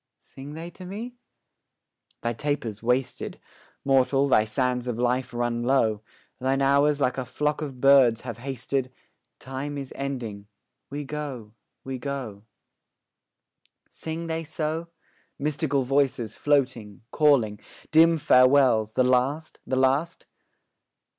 Sing they to me? 'Thy taper's wasted; Mortal, thy sands of life run low; Thine hours like a flock of birds have hasted: Time is ending; we go, we go.' Sing they so? Mystical voices, floating, calling; Dim farewells the last, the last?